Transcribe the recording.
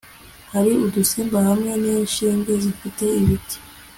hari udusimba hamwe ninshinge zifite ibiti